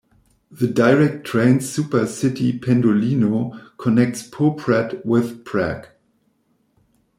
The direct trains SuperCity Pendolino connects Poprad with Prague.